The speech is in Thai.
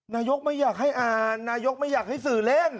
นายกไม่อยากให้อ่านนายกไม่อยากให้สื่อเล่น